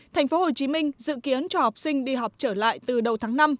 thành phố hồ chí minh dự kiến cho học sinh đi học trở lại từ đầu tháng năm